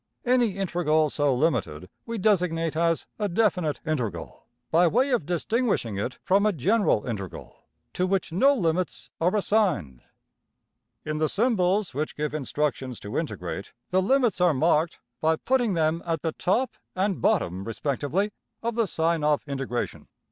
Any integral so limited we designate as a \emph{definite integral}, by way of distinguishing it from a \emph{general integral} to which no limits are assigned. In the symbols which give instructions to integrate, the limits are marked by putting them at the top and bottom respectively of the sign of integration.